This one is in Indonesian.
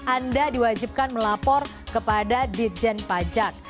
anda diwajibkan melapor kepada dirjen pajak